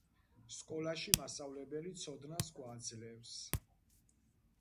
სკოლაში მასწავლებელი ცოდნას გვაძლევს